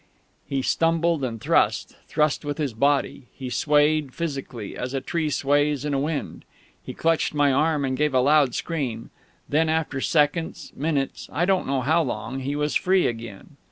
He stumbled and thrust thrust with his body. He swayed, physically, as a tree sways in a wind; he clutched my arm and gave a loud scream. Then, after seconds minutes I don't know how long he was free again.